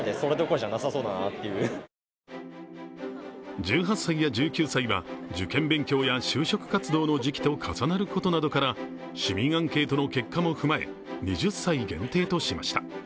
１８歳や１９歳は受験勉強や就職活動の時期と重なることなどから市民アンケートの結果も踏まえ、２０歳限定としました。